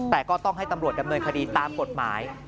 แต่ก็ต้องให้ตำรวจดำเนินคดีตามกฎหมาย